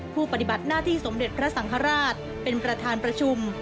ปฏิบัติหน้าที่สมเด็จพระสังฆราชเป็นประธานประชุม